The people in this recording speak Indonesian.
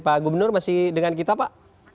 pak gubernur masih dengan kita pak